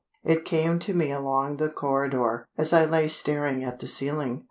It came to me along the corridor, as I lay staring at the ceiling.